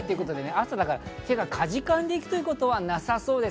朝、手がかじかんで行くということはなさそうです。